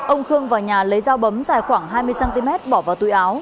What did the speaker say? ông khương vào nhà lấy dao bấm dài khoảng hai mươi cm bỏ vào túi áo